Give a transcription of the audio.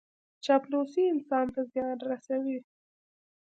چاپلوسي انسان ته زیان رسوي.